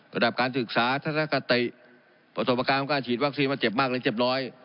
สำหรับการศึกษาประสบการณ์การฉีดวัคซีนมันเจ็บมากหรือเจ็บน้อย